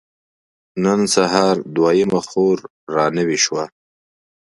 نن سهار دويمه خور را نوې شوه.